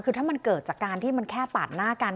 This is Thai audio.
คือถ้ามันเกิดจากการที่มันแค่ปาดหน้ากัน